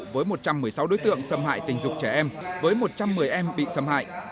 với một trăm một mươi sáu đối tượng xâm hại tình dục trẻ em với một trăm một mươi em bị xâm hại